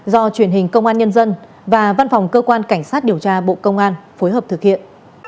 do truyền hình công an nhân dân và văn phòng cơ quan cảnh sát điều tra bộ công an phối hợp thực hiện